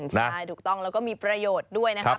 ใช่ถูกต้องแล้วก็มีประโยชน์ด้วยนะครับ